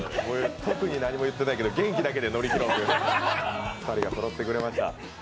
特に何も言ってないけど、元気だけで乗り切ろうという２人がそろってくれました。